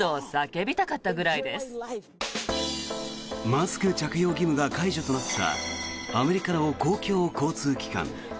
マスク着用義務が解除となったアメリカの公共交通機関。